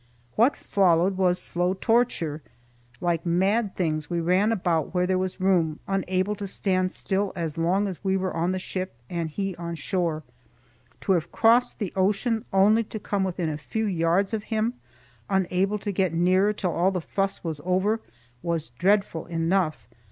What followed was slow torture. Like mad things we ran about where there was room, unable to stand still as long as we were on the ship and he on shore. To have crossed the ocean only to come within a few yards of him, unable to get nearer till all the fuss was over, was dreadful enough.